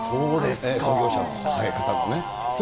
創業者の方のね。